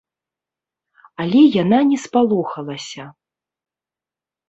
Але яна не спалохалася.